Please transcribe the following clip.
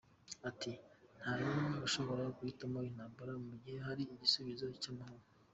Ati “Nta n’umwe ushobora guhitamo intambara mu gihe hari igisubizo cy’amahoro.